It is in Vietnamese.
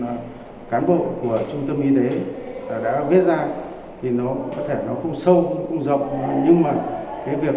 mà cán bộ của trung tâm y tế đã viết ra thì nó có thể nó không sâu không rộng nhưng mà cái việc